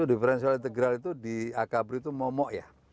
differential integral itu di akabri itu momok ya